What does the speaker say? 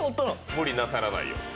無理なさらないように。